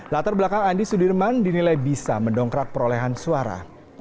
latar belakang andi sudirman dinilai bisa mendongkrak perolehan suara